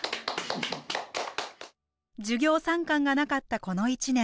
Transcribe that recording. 授業参観がなかったこの１年。